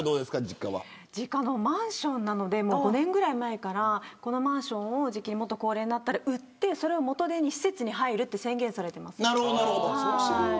実家はマンションなので５年ぐらい前からこのマンションをもっと高齢になったら売ってそれを元手に施設に入ると宣言されています。